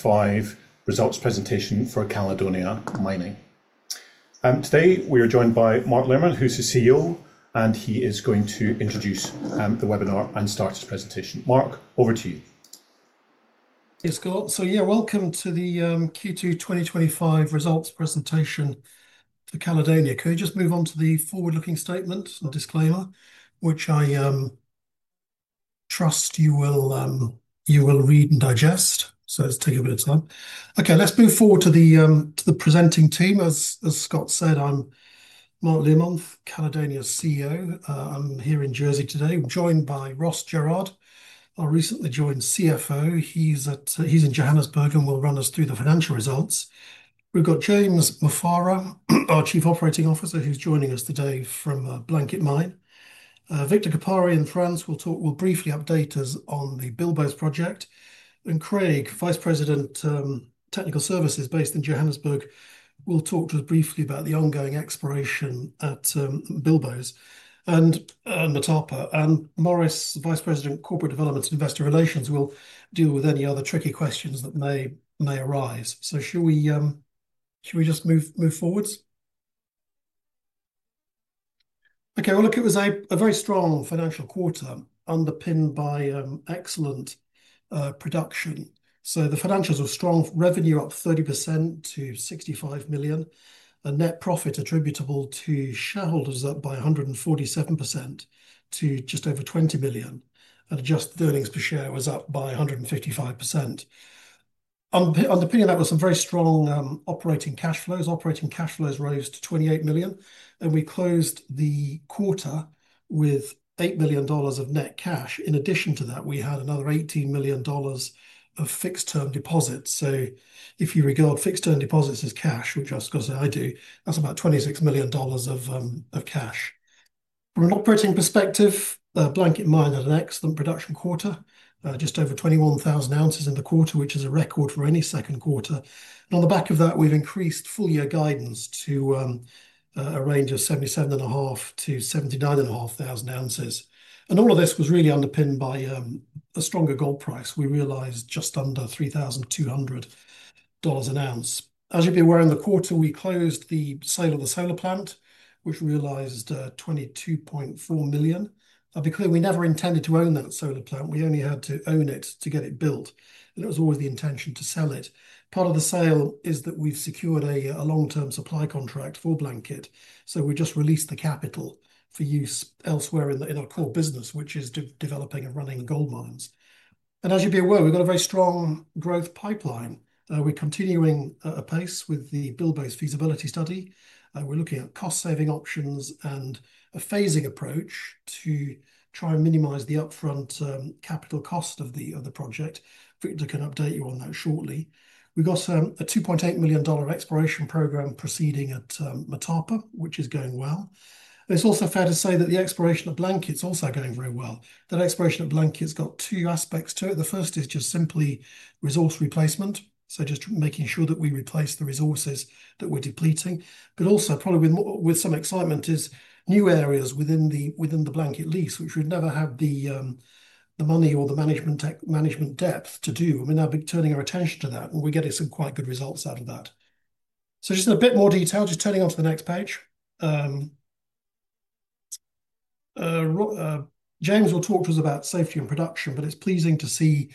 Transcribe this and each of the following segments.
2025 Results Presentation for Caledonia Mining. Today we are joined by Mark Learmonth, who's the CEO, and he is going to introduce the webinar and start his presentation. Mark, over to you. Yes, Scott. Yeah, welcome to the Q2 2025 Results Presentation for Caledonia. Can we just move on to the forward-looking statement and disclaimer, which I trust you will read and digest? Let's take a bit of time. OK, let's move forward to the presenting team. As Scott said, I'm Mark Learmonth, Caledonia's CEO. I'm here in Jersey today, joined by Ross Jerrard, our recently joined CFO. He's in Johannesburg and will run us through the financial results. We've got James Mufara, our Chief Operating Officer, who's joining us today from Blanket Mine. Victor Gapare in France will briefly update us on the Bilboes project. Craig Harvey, Vice President, Technical Services based in Johannesburg, will talk to us briefly about the ongoing exploration at Bilboes. Maurice Mason, Vice President, Corporate Development and Investor Relations, will deal with any other tricky questions that may arise. Shall we just move forward? It was a very strong financial quarter underpinned by excellent production. The financials are strong. Revenue up 30% to $65 million. Net profit attributable to shareholders is up by 147% to just over $20 million. Adjusted earnings per share was up by 155%. Underpinning that was some very strong operating cash flows. Operating cash flows rose to $28 million. We closed the quarter with $8 million of net cash. In addition to that, we had another $18 million of fixed-term deposits. If you regard fixed-term deposits as cash, which I suppose I do, that's about $26 million of cash. From an operating perspective, Blanket Mine had an excellent production quarter, just over 21,000 oz in the quarter, which is a record for any second quarter. On the back of that, we've increased full-year guidance to a range of 77,500 oz-79,500 oz. All of this was really underpinned by a stronger gold price. We realized just under $3,200 an ounce. As you're aware, in the quarter, we closed the sale of the solar plant, which realized $22.4 million. I'll be clear, we never intended to own that solar plant. We only had to own it to get it built. It was always the intention to sell it. Part of the sale is that we've secured a long-term supply contract for Blanket Mine. We just released the capital for use elsewhere in our core business, which is developing and running gold mines. As you'd be aware, we've got a very strong growth pipeline. We're continuing at a pace with the Bilboes feasibility study. We're looking at cost-saving options and a phasing approach to try and minimize the upfront capital cost of the project. Victor can update you on that shortly. We've got a $2.8 million exploration program proceeding at Motapa, which is going well. It's also fair to say that the exploration of Blanket Mine is also going very well. That exploration of Blanket Mine has got two aspects to it. The first is just simply resource replacement, just making sure that we replace the resources that we're depleting. Probably with some excitement is new areas within the Blanket Mine lease, which we've never had the money or the management depth to do. We're now turning our attention to that, and we're getting some quite good results out of that. Just a bit more detail, just turning on to the next page. James will talk to us about safety and production, but it's pleasing to see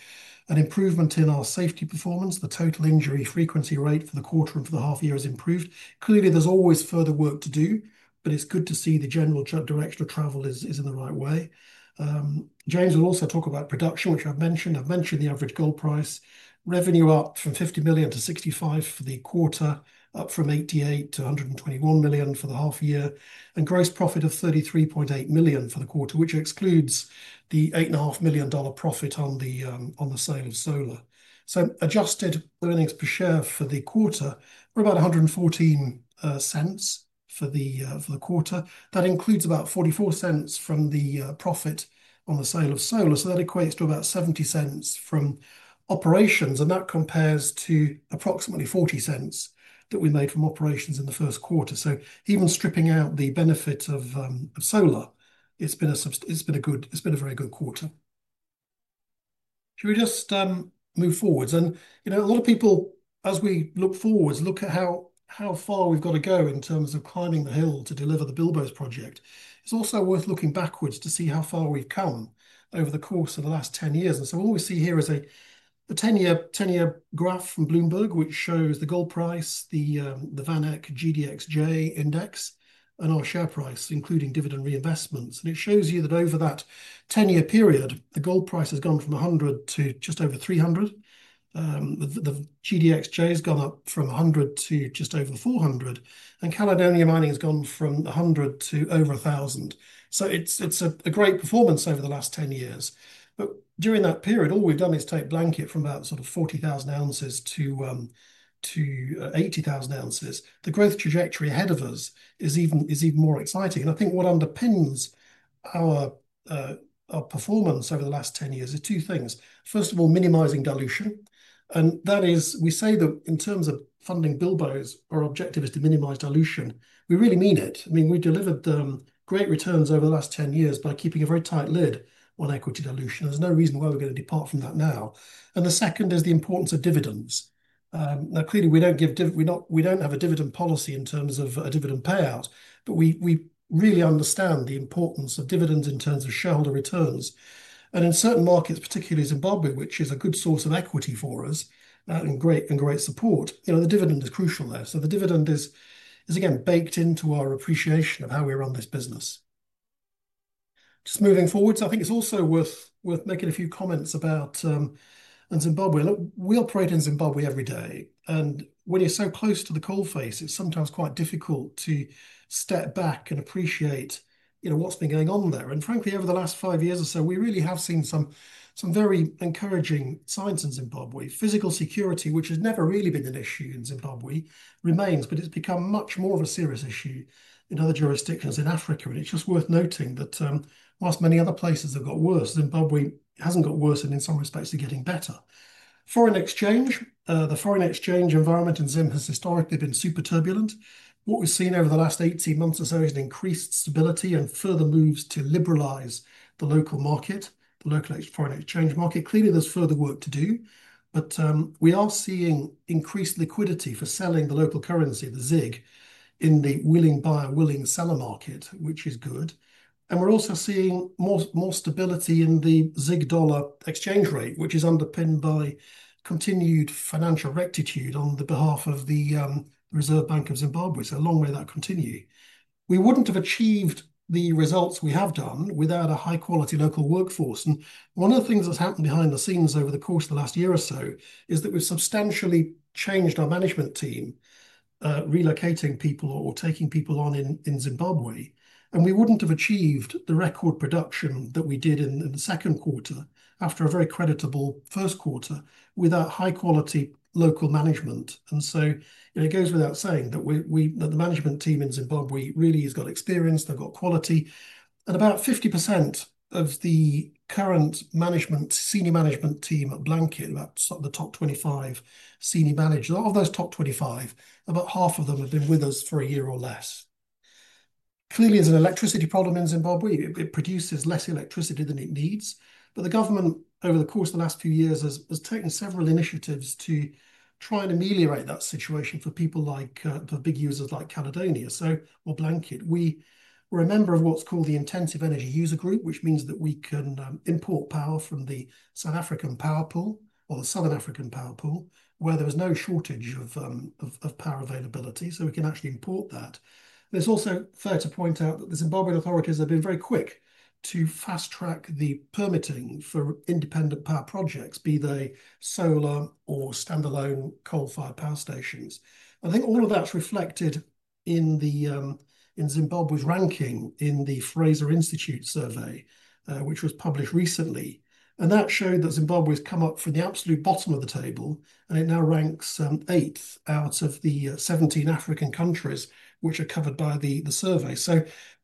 an improvement in our safety performance. The total injury frequency rate for the quarter or the half year has improved. Clearly, there's always further work to do, but it's good to see the general direction of travel is in the right way. James will also talk about production, which I've mentioned. I've mentioned the average gold price. Revenue up from $50 million-$65 million for the quarter, up from $88 million-$121 million for the half year, and gross profit of $33.8 million for the quarter, which excludes the $8.5 million profit on the sale of solar. Adjusted earnings per share for the quarter were about $1.14 for the quarter. That includes about $0.44 from the profit on the sale of solar, so that equates to about $0.70 from operations. That compares to approximately $0.40 that we made from operations in the first quarter. Even stripping out the benefit of solar, it's been a very good quarter. Can we just move forward? A lot of people, as we look forward, look at how far we've got to go in terms of climbing the hill to deliver the Bilboes project. It's also worth looking backwards to see how far we've come over the course of the last 10 years. What we see here is a 10-year graph from Bloomberg, which shows the gold price, the VanEck GDXJ index, and our share price, including dividend reinvestments. It shows you that over that 10-year period, the gold price has gone from $100 to just over $300. The GDXJ has gone up from $100 to just over $400, and Caledonia Mining has gone from $100 to over $1,000. It's a great performance over the last 10 years. During that period, all we've done is take Blanket Mine from about 40,000 oz-80,000 oz. The growth trajectory ahead of us is even more exciting. I think what underpins our performance over the last 10 years is two things. First of all, minimizing dilution. That is, we say that in terms of funding Bilboes, our objective is to minimize dilution. We really mean it. I mean, we delivered great returns over the last 10 years by keeping a very tight lid on equity dilution. There's no reason why we're going to depart from that now. The second is the importance of dividends. Now, clearly, we don't have a dividend policy in terms of a dividend payout. We really understand the importance of dividends in terms of shareholder returns. In certain markets, particularly Zimbabwe, which is a good source of equity for us and great support, the dividend is crucial there. The dividend is, again, baked into our appreciation of how we run this business. Moving forward, I think it's also worth making a few comments about Zimbabwe. We operate in Zimbabwe every day. When you're so close to the coal face, it's sometimes quite difficult to step back and appreciate what's been going on there. Frankly, over the last five years or so, we really have seen some very encouraging signs in Zimbabwe. Physical security, which has never really been an issue in Zimbabwe, remains, but it's become much more of a serious issue in other jurisdictions in Africa. It's just worth noting that whilst many other places have got worse, Zimbabwe hasn't got worse, and in some respects, it's getting better. Foreign exchange, the foreign exchange environment in Zimbabwe has historically been super turbulent. What we've seen over the last 18 months or so is an increased stability and further moves to liberalize the local market, the local foreign exchange market. Clearly, there's further work to do. We are seeing increased liquidity for selling the local currency, the ZiG, in the willing buyer, willing seller market, which is good. We're also seeing more stability in the ZiG dollar exchange rate, which is underpinned by continued financial rectitude on the behalf of the Reserve Bank of Zimbabwe. Long may that continue. We wouldn't have achieved the results we have done without a high-quality local workforce. One of the things that's happened behind the scenes over the course of the last year or so is that we've substantially changed our management team, relocating people or taking people on in Zimbabwe. We wouldn't have achieved the record production that we did in the second quarter after a very creditable first quarter without high-quality local management. It goes without saying that the management team in Zimbabwe really has got experience. They've got quality. About 50% of the current senior management team at Blanket Mine, about the top 25 senior managers, a lot of those top 25, about half of them have been with us for a year or less. Clearly, there's an electricity problem in Zimbabwe. It produces less electricity than it needs. The government, over the course of the last two years, has taken several initiatives to try and ameliorate that situation for people like the big users like Caledonia or Blanket Mine. We're a member of what's called the Intensive Energy User Group, which means that we can import power from the South African power pool or the Southern African power pool where there is no shortage of power availability. We can actually import that. It's also fair to point out that the Zimbabwean authorities have been very quick to fast-track the permitting for independent power projects, be they solar or standalone coal-fired power stations. I think all of that's reflected in Zimbabwe's ranking in the Fraser Institute survey, which was published recently. That showed that Zimbabwe has come up from the absolute bottom of the table. It now ranks eighth out of the 17 African countries which are covered by the survey.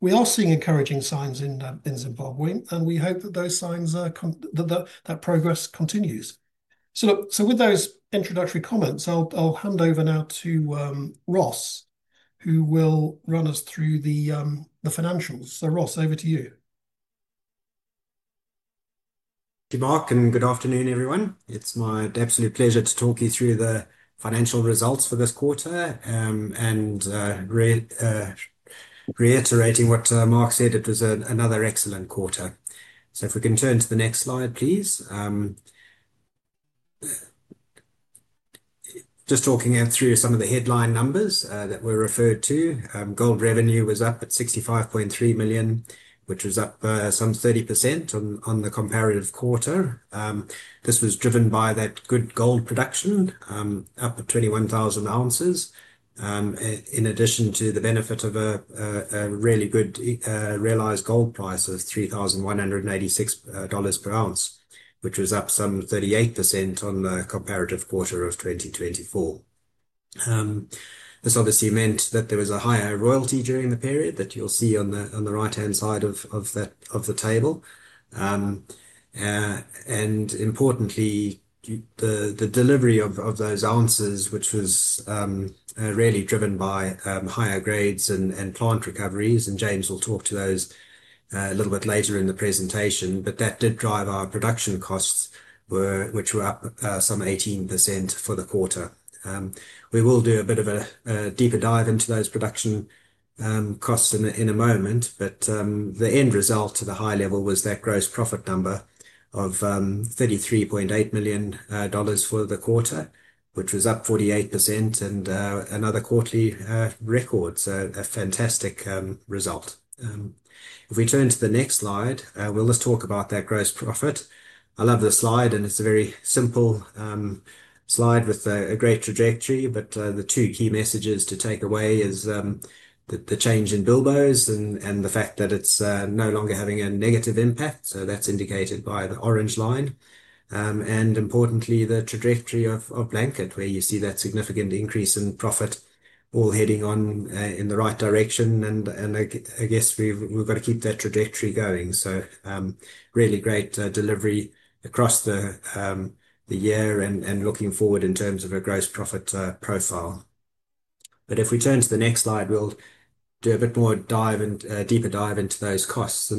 We are seeing encouraging signs in Zimbabwe. We hope that those signs are that progress continues. With those introductory comments, I'll hand over now to Ross, who will run us through the financials. Ross, over to you. Thank you, Mark. Good afternoon, everyone. It's my absolute pleasure to talk you through the financial results for this quarter and reiterating what Mark said, it was another excellent quarter. If we can turn to the next slide, please. Just talking out through some of the headline numbers that were referred to, gold revenue was up at $65.3 million, which was up some 30% on the comparative quarter. This was driven by that good gold production up at 21,000 oz, in addition to the benefit of a really good realized gold price of $3,186 per ounce, which was up some 38% on the comparative quarter of 2024. This obviously meant that there was a higher royalty during the period that you'll see on the right-hand side of the table. Importantly, the delivery of those ounces, which was really driven by higher grades and plant recoveries, and James will talk to those a little bit later in the presentation, did drive our production costs, which were up some 18% for the quarter. We will do a bit of a deeper dive into those production costs in a moment. The end result at the high level was that gross profit number of $33.8 million for the quarter, which was up 48% and another quarterly record. A fantastic result. If we turn to the next slide, we'll just talk about that gross profit. I love the slide, and it's a very simple slide with a great trajectory. The two key messages to take away are the change in Bilboes and the fact that it's no longer having a negative impact. That's indicated by the orange line. Importantly, the trajectory of Blanket Mine, where you see that significant increase in profit all heading in the right direction. I guess we've got to keep that trajectory going. Really great delivery across the year and looking forward in terms of a gross profit profile. If we turn to the next slide, we'll do a bit more dive and deeper dive into those costs.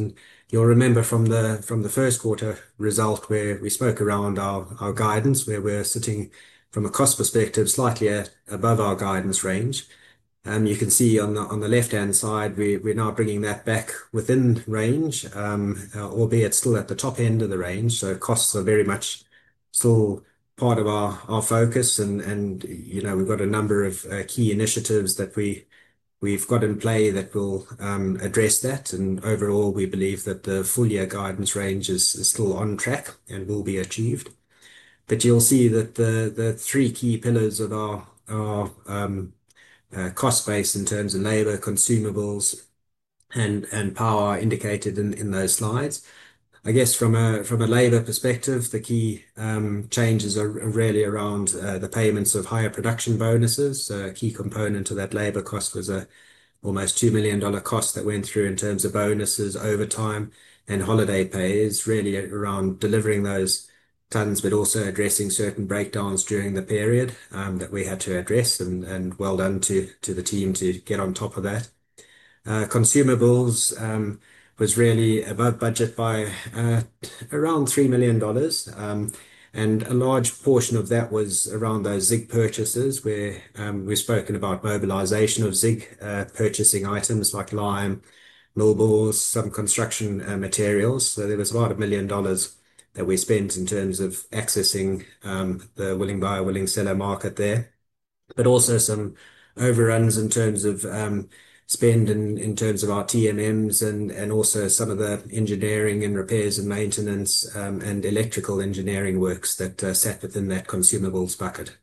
You'll remember from the first quarter result where we spoke around our guidance, where we're sitting from a cost perspective slightly above our guidance range. You can see on the left-hand side, we're now bringing that back within range, albeit still at the top end of the range. Costs are very much still part of our focus. You know we've got a number of key initiatives that we've got in play that will address that. Overall, we believe that the full-year guidance range is still on track and will be achieved. You'll see that the three key pillars of our cost base in terms of labor, consumables, and power are indicated in those slides. I guess from a labor perspective, the key changes are really around the payments of higher production bonuses. A key component of that labor cost was an almost $2 million cost that went through in terms of bonuses over time. Holiday pay is really around delivering those tons, but also addressing certain breakdowns during the period that we had to address. Well done to the team to get on top of that. Consumables was really above budget by around $3 million, and a large portion of that was around those ZiG purchases, where we've spoken about mobilization of ZiG purchasing items like lime, millboards, some construction materials. There was about $1 million that we spent in terms of accessing the willing buyer, willing seller market there. There were also some overruns in terms of spend in terms of our TMMs and also some of the engineering and repairs and maintenance and electrical engineering works that sat within that consumables bucket.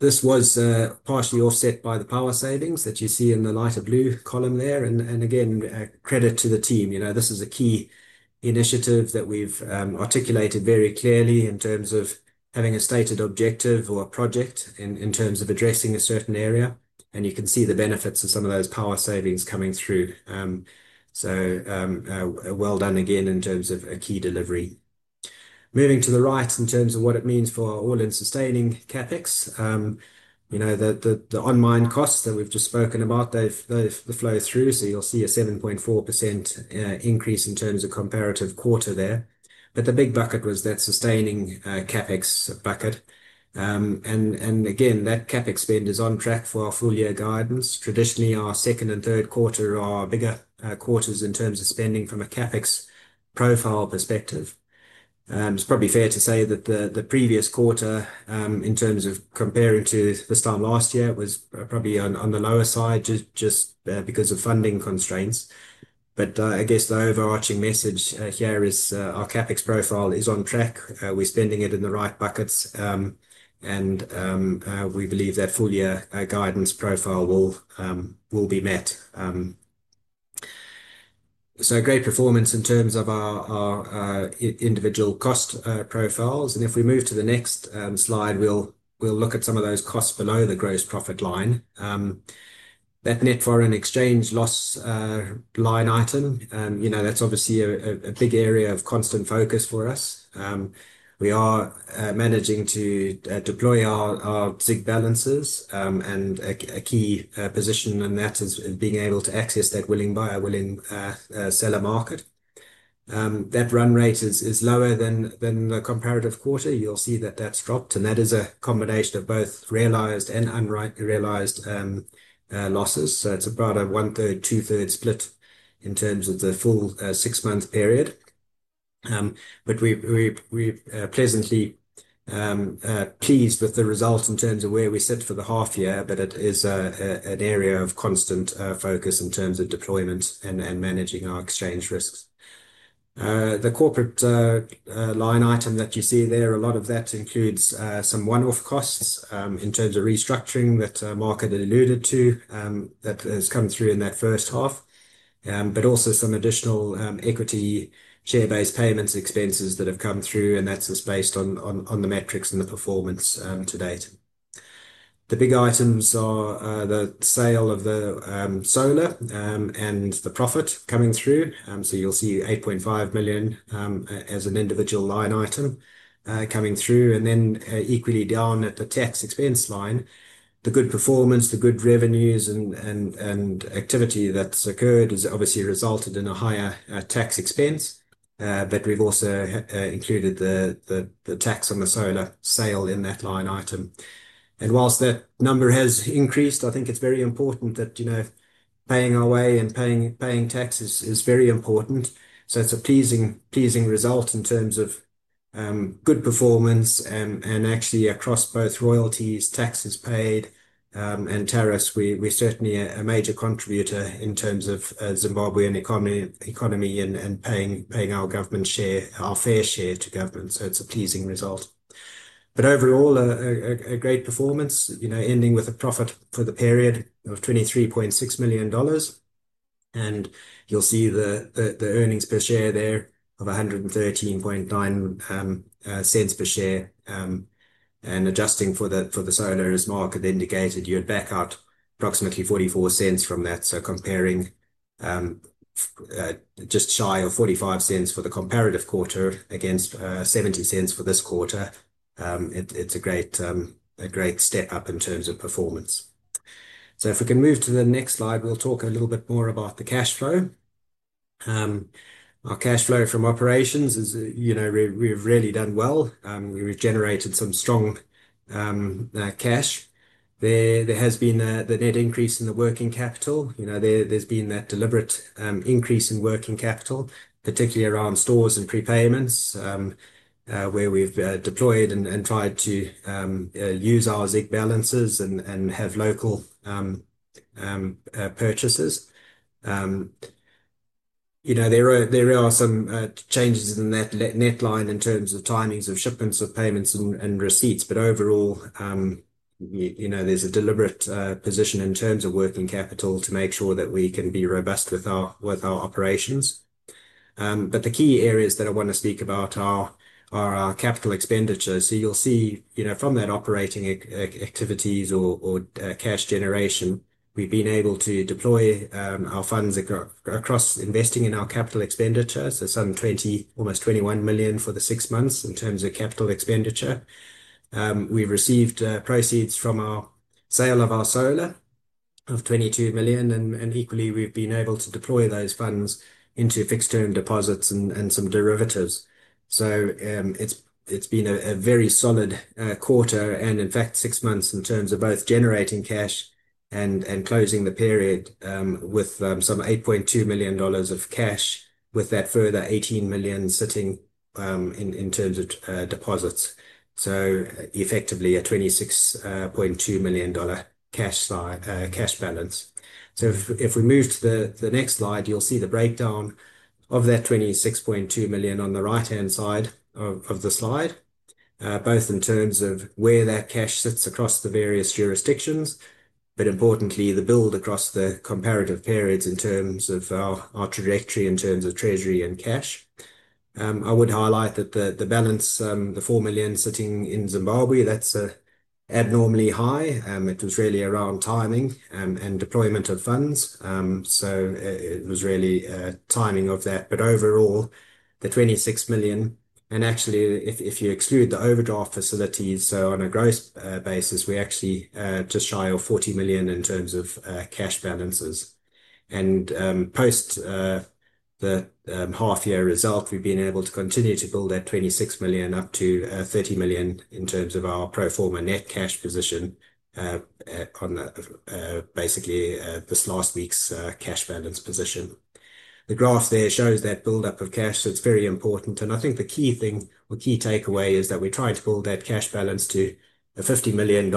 This was partially offset by the power savings that you see in the lighter blue column there. Credit to the team. You know this is a key initiative that we've articulated very clearly in terms of having a stated objective or a project in terms of addressing a certain area. You can see the benefits of some of those power savings coming through. Well done again in terms of a key delivery. Moving to the right in terms of what it means for all-in sustaining CapEx, the online costs that we've just spoken about have flowed through. You'll see a 7.4% increase in terms of comparative quarter there. The big bucket was that sustaining CapEx bucket. That CapEx spend is on track for our full-year guidance. Traditionally, our second and third quarter are bigger quarters in terms of spending from a CapEx profile perspective. It's probably fair to say that the previous quarter, in terms of comparing to the start of last year, was probably on the lower side just because of funding constraints. The overarching message here is our CapEx profile is on track. We're spending it in the right buckets, and we believe that full-year guidance profile will be met. Great performance in terms of our individual cost profiles. If we move to the next slide, we'll look at some of those costs below the gross profit line. That net foreign exchange loss line item, you know that's obviously a big area of constant focus for us. We are managing to deploy our ZiG balances, and a key position in that is being able to access that willing buyer, willing seller market. That run rate is lower than the comparative quarter. You'll see that that's dropped, and that is a combination of both realized and unrealized losses. It's about a one-third, two-third split in terms of the full six-month period. We're pleasantly pleased with the results in terms of where we sit for the half year. It is an area of constant focus in terms of deployment and managing our exchange risks. The corporate line item that you see there, a lot of that includes some one-off costs in terms of restructuring that Mark had alluded to that has come through in that first half, but also some additional equity share-based payments expenses that have come through. That's just based on the metrics and the performance to date. The big items are the sale of the solar plant and the profit coming through. You'll see $8.5 million as an individual line item coming through, and then equally down at the tax expense line, the good performance, the good revenues, and activity that's occurred has obviously resulted in a higher tax expense. We've also included the tax on the solar plant sale in that line item. Whilst that number has increased, I think it's very important that you know paying our way and paying taxes is very important. It's a pleasing result in terms of good performance. Actually, across both royalties, taxes paid, and tariffs, we're certainly a major contributor in terms of the Zimbabwean economy and paying our fair share to government. It's a pleasing result. Overall, a great performance, ending with a profit for the period of $23.6 million. You'll see the earnings per share there of $113.9 per share, and adjusting for the solar plant, as Mark had indicated, you would back out approximately $0.44 from that. Comparing just shy of $0.45 for the comparative quarter against $0.70 for this quarter, it's a great step up in terms of performance. If we can move to the next slide, we'll talk a little bit more about the cash flow. Our cash flow from operations, we've really done well. We've generated some strong cash. There has been the net increase in the working capital. You know there's been that deliberate increase in working capital, particularly around stores and prepayments, where we've deployed and tried to use our ZiG balances and have local purchases. There are some changes in that net line in terms of timings of shipments of payments and receipts. Overall, there's a deliberate position in terms of working capital to make sure that we can be robust with our operations. The key areas that I want to speak about are our capital expenditures. You'll see from that operating activities or cash generation, we've been able to deploy our funds across investing in our capital expenditure. Almost $21 million for the six months in terms of capital expenditure. We've received proceeds from our sale of our solar plant of $22 million. Equally, we've been able to deploy those funds into fixed-term deposits and some derivatives. It's been a very solid quarter. In fact, six months in terms of both generating cash and closing the period with some $8.2 million of cash, with that further $18 million sitting in terms of deposits. Effectively, a $26.2 million cash balance. If we move to the next slide, you'll see the breakdown of that $26.2 million on the right-hand side of the slide, both in terms of where that cash sits across the various jurisdictions, but importantly, the build across the comparative periods in terms of our trajectory in terms of treasury and cash. I would highlight that the balance, the $4 million sitting in Zimbabwe, that's abnormally high. It was really around timing and deployment of funds. It was really timing of that. Overall, the $26 million, and actually, if you exclude the overdraft facilities, on a gross basis, we're actually just shy of $40 million in terms of cash balances. Post the half-year result, we've been able to continue to build that $26 million up to $30 million in terms of our proforma net cash position on basically this last week's cash balance position. The graph there shows that buildup of cash. It's very important. I think the key thing or key takeaway is that we're trying to build that cash balance to a $50+ million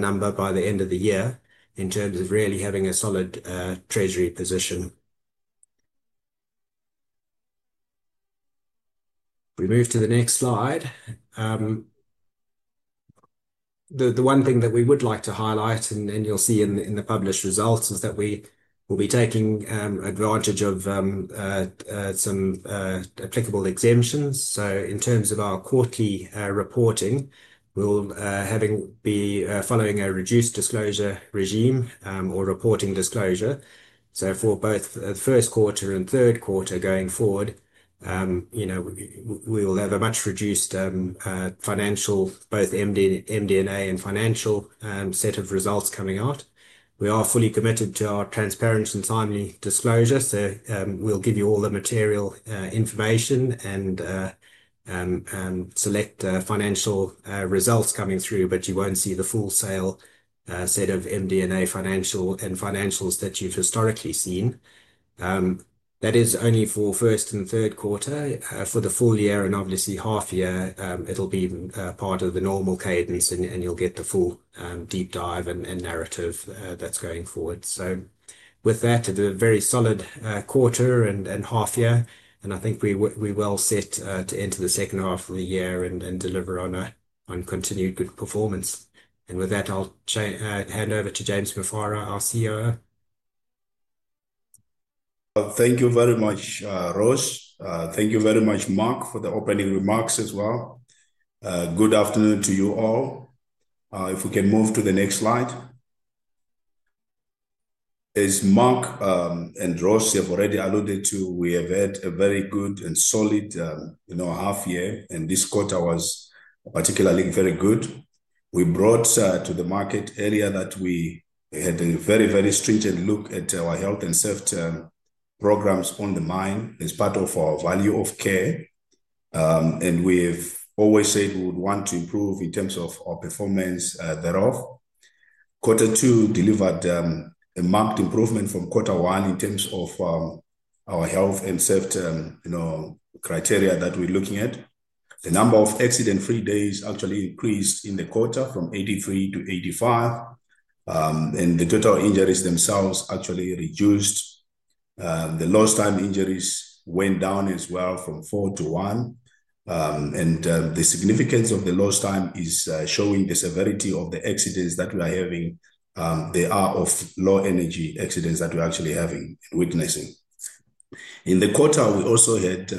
number by the end of the year in terms of really having a solid treasury position. We move to the next slide. The one thing that we would like to highlight, and then you'll see in the published results, is that we will be taking advantage of some applicable exemptions. In terms of our quarterly reporting, we'll be following a reduced disclosure regime or reporting disclosure. For both the first quarter and third quarter going forward, we will have a much reduced financial, both MD&A and financial set of results coming out. We are fully committed to our transparent and timely disclosure. We'll give you all the material information and select financial results coming through, but you won't see the full set of MD&A financials that you've historically seen. That is only for first and third quarter. For the full year and obviously half year, it'll be part of the normal cadence, and you'll get the full deep dive and narrative that's going forward. It's a very solid quarter and half year. I think we will sit to enter the second half of the year and deliver on continued good performance. With that, I'll hand over to James Mufara, our COO. Thank you very much, Ross. Thank you very much, Mark, for the opening remarks as well. Good afternoon to you all. If we can move to the next slide. As Mark and Ross have already alluded to, we have had a very good and solid half year. This quarter was particularly very good. We brought to the market earlier that we had a very, very stringent look at our health and self-care programs on the mine as part of our value of care. We've always said we would want to improve in terms of our performance thereof. Quarter two delivered a marked improvement from quarter one in terms of our health and self-care criteria that we're looking at. The number of accident-free days actually increased in the quarter from 83-85. The total injuries themselves actually reduced. The lost time injuries went down as well from four to one. The significance of the lost time is showing the severity of the accidents that we are having. They are of low energy accidents that we're actually witnessing. In the quarter, we also had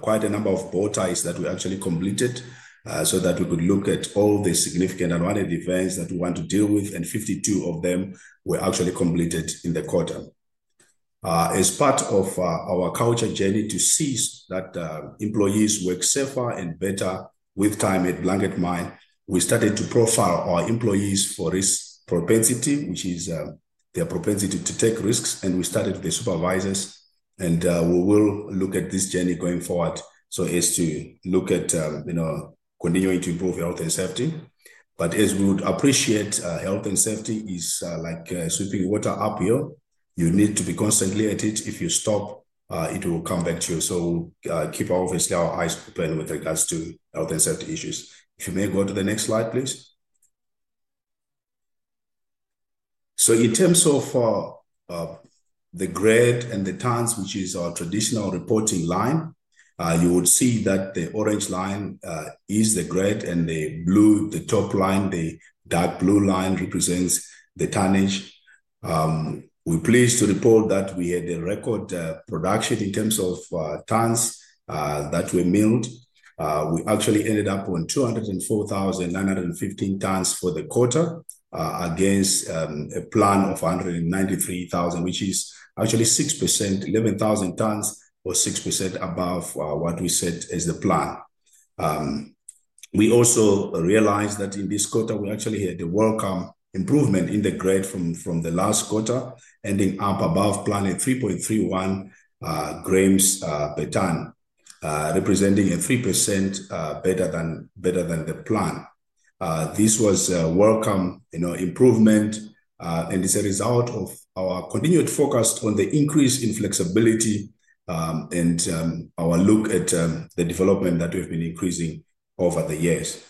quite a number of bowties that we actually completed so that we could look at all the significant and relevant events that we want to deal with. 52 of them were actually completed in the quarter. As part of our culture journey to see that employees work safer and better with time at Blanket Mine, we started to profile our employees for risk propensity, which is their propensity to take risks. We started with the supervisors. We will look at this journey going forward to continue to improve health and safety. As you would appreciate, health and safety is like sweeping water uphill. You need to be constantly at it. If you stop, it will come back to you. We keep our eyes open with regards to health and safety issues. If you may go to the next slide, please. In terms of the grade and the tons, which is our traditional reporting line, you would see that the orange line is the grade, and the blue, the top line, the dark blue line represents the tonnage. We're pleased to report that we had a record production in terms of tons that were milled. We actually ended up on 204,915 tons for the quarter against a plan of 193,000 tons, which is actually 6%, 11,000 tons or 6% above what we said is the plan. We also realized that in this quarter, we actually had the welcome improvement in the grade from the last quarter, ending up above plan at 3.31 g per ton, representing a 3% better than the plan. This was a welcome improvement. It's a result of our continued focus on the increase in flexibility and our look at the development that we've been increasing over the years.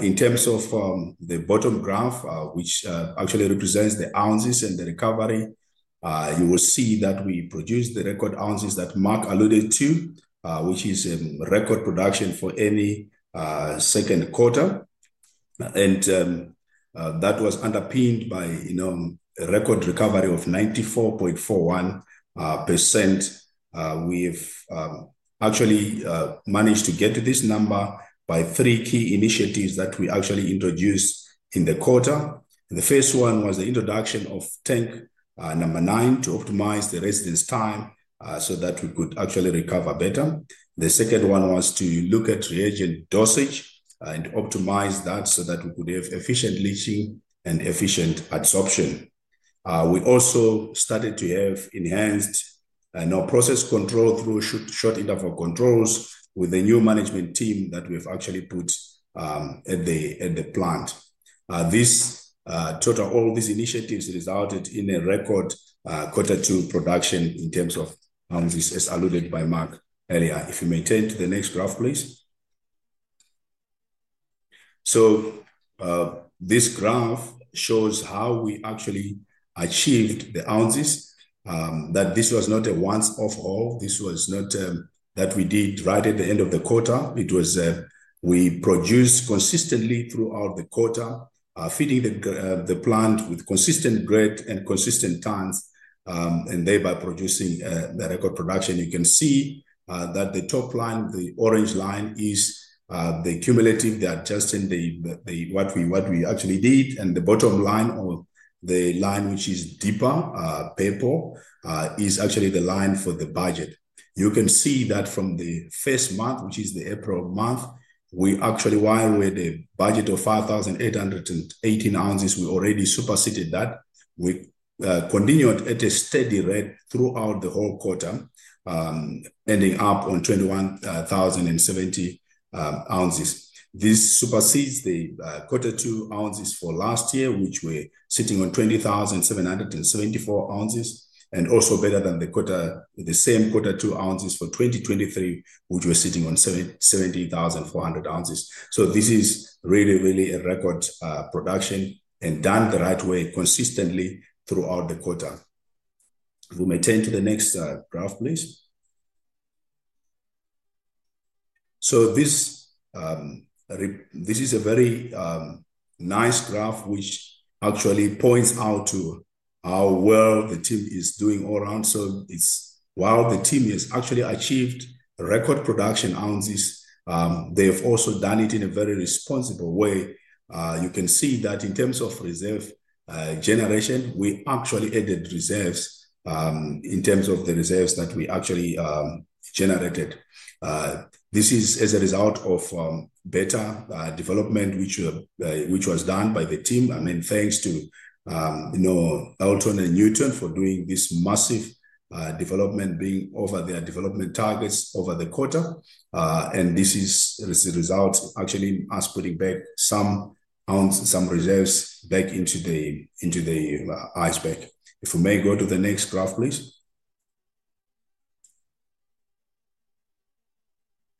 In terms of the bottom graph, which actually represents the ounces and the recovery, you will see that we produced the record ounces that Mark alluded to, which is a record production for any second quarter. That was underpinned by a record recovery of 94.41%. We've actually managed to get to this number by three key initiatives that we actually introduced in the quarter. The first one was the introduction of tank number nine to optimize the residence time so that we could actually recover better. The second one was to look at reagent dosage and optimize that so that we could have efficient leaching and efficient adsorption. We also started to have enhanced our process control through short interval controls with a new management team that we've actually put at the plant. All these initiatives resulted in a record quarter two production in terms of ounces, as alluded by Mark earlier. If you may turn to the next graph, please. This graph shows how we actually achieved the ounces, that this was not a once-off. This was not that we did right at the end of the quarter. We produced consistently throughout the quarter, feeding the plant with consistent grade and consistent tons, and thereby producing the record production. You can see that the top line, the orange line, is the cumulative, the adjusting, what we actually did. The bottom line or the line which is deeper, purple, is actually the line for the budget. You can see that from the first month, which is the April month, we actually, while we had a budget of 5,818 oz, we already superseded that. We continued at a steady rate throughout the whole quarter, ending up on 21,070 oz. This supersedes the quarter two ounces for last year, which were sitting on 20,774 ounces, and also better than the same quarter two ounces for 2023, which were sitting on 70,400 oz. This is really, really a record production and done the right way consistently throughout the quarter. If you may turn to the next graph, please. This is a very nice graph, which actually points out to how well the team is doing all around. While the team has actually achieved record production ounces, they've also done it in a very responsible way. You can see that in terms of reserve generation, we actually added reserves in terms of the reserves that we actually generated. This is as a result of better development, which was done by the team. Thanks to Elton and (Newton) for doing this massive development, being over their development targets over the quarter. This is the result, actually, us putting back some ounce, some reserves back into the ice pack. If we may go to the next graph, please.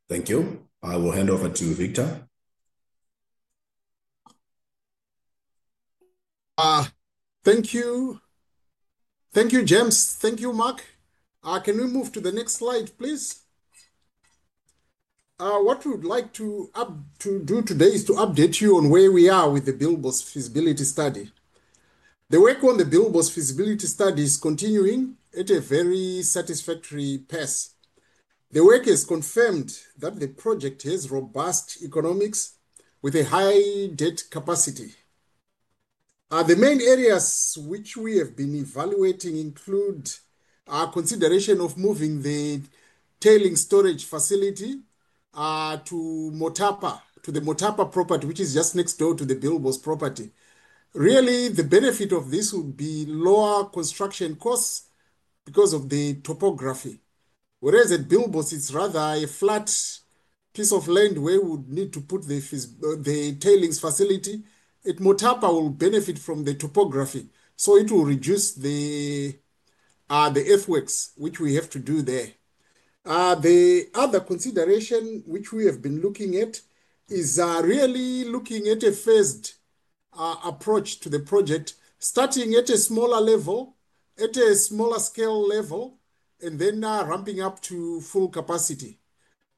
Thank you. I will hand over to you, Victor. Thank you. Thank you, James. Thank you, Mark. Can we move to the next slide, please? What we'd like to do today is to update you on where we are with the Bilboes feasibility study. The work on the Bilboes feasibility study is continuing at a very satisfactory pace. The work has confirmed that the project has robust economics with a high debt capacity. The main areas which we have been evaluating include our consideration of moving the tailing storage facility to Motapa, to the Motapa property, which is just next door to the Bilboes property. Really, the benefit of this would be lower construction costs because of the topography. Whereas at Bilboes, it's rather a flat piece of land where we would need to put the tailings facility. At Motapa, we'll benefit from the topography. It will reduce the earthworks, which we have to do there. The other consideration which we have been looking at is really looking at a first approach to the project, starting at a smaller level, at a smaller scale level, and then ramping up to full capacity.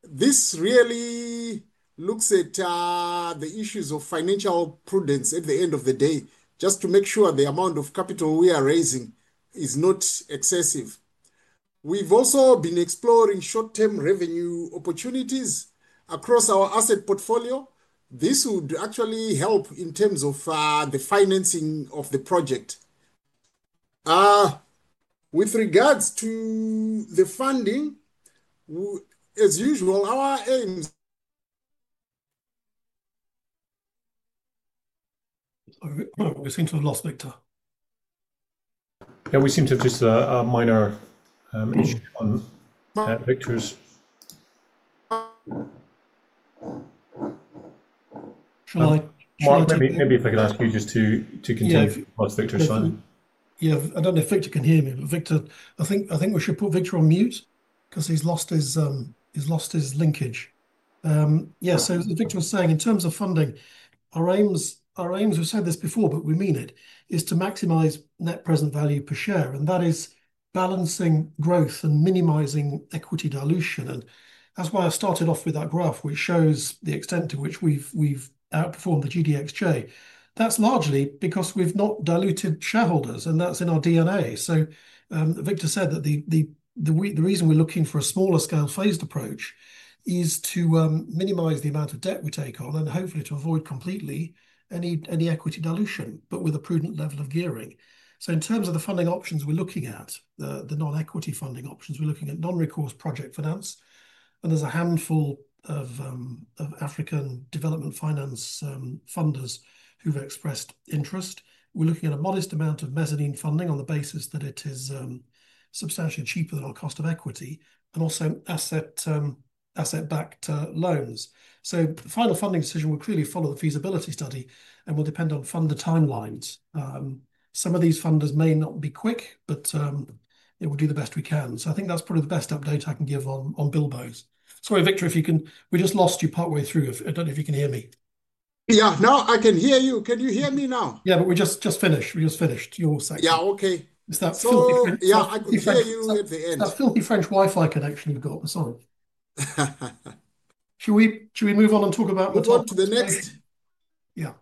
This really looks at the issues of financial prudence at the end of the day, just to make sure the amount of capital we are raising is not excessive. We've also been exploring short-term revenue opportunities across our asset portfolio. This would actually help in terms of the financing of the project. With regards to the funding, as usual, our aim. We seem to have lost Victor. We seem to have just a minor issue on that. Victor is. Hello? Might. Maybe if I can ask you just to continue. Yeah, I don't know if Victor can hear me. Victor, I think we should put Victor on mute because he's lost his linkage. Yeah, so Victor is saying in terms of funding, our aims, we've said this before, but we mean it, is to maximize net present value per share. That is balancing growth and minimizing equity dilution. That's why I started off with that graph, which shows the extent to which we've outperformed the GDXJ Index. That's largely because we've not diluted shareholders, and that's in our DNA. Victor said that the reason we're looking for a smaller scale phased approach is to minimize the amount of debt we take on and hopefully to avoid completely any equity dilution, but with a prudent level of gearing. In terms of the funding options we're looking at, the non-equity funding options, we're looking at non-recourse project finance. There is a handful of African development finance funders who've expressed interest. We're looking at a modest amount of mezzanine funding on the basis that it is substantially cheaper than our cost of equity and also asset-backed loans. The final funding decision will clearly follow the feasibility study and will depend on funder timelines. Some of these funders may not be quick, but we'll do the best we can. I think that's probably the best update I can give on Bilboes. Sorry, Victor, if you can, we just lost you partway through. I don't know if you can hear me. Yeah, now I can hear you. Can you hear me now? Yeah, we just finished. You're all set. Yeah, OK. It's that filthy. Yeah, I could hear you near the end. That filthy French Wi-Fi connection you've got was on. Should we move on and talk about Motapa? Move on to the next. Yeah.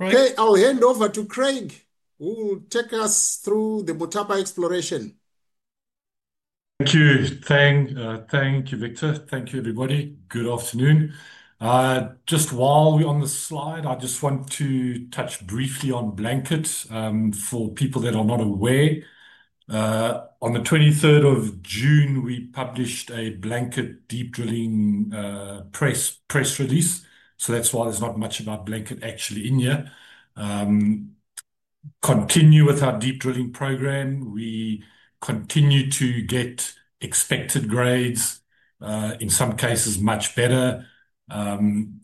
OK, I'll hand over to Craig, who will take us through the Motapa exploration. Thank you, thank you, Victor. Thank you, everybody. Good afternoon. Just while we're on the slide, I just want to touch briefly on Blanket Mine for people that are not aware. On June 23rd, we published a Blanket Mine deep drilling press release. That's why there's not much about Blanket Mine actually in here. We continue with our deep drilling program. We continue to get expected grades, in some cases much better, carrying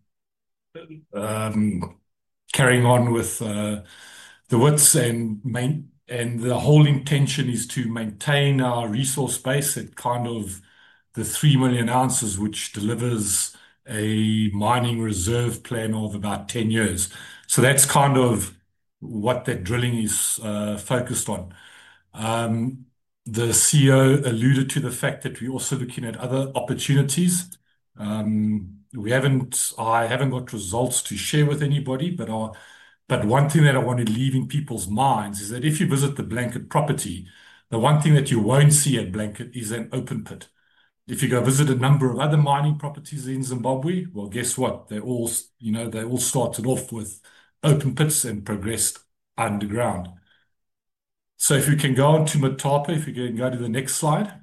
on with the woods. The whole intention is to maintain our resource base at kind of the 3 million oz, which delivers a mining reserve plan of about 10 years. That's kind of what that drilling is focused on. The CEO alluded to the fact that we're also looking at other opportunities. I haven't got results to share with anybody, but one thing that I want to leave in people's minds is that if you visit the Blanket Mine property, the one thing that you won't see at Blanket Mine is an open pit. If you go visit a number of other mining properties in Zimbabwe, guess what? They all started off with open pits and progressed underground. If you can go on to Motapa, if you can go to the next slide.